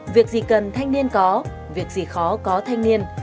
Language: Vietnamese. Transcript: việc gì cần thanh niên có việc gì khó có thanh niên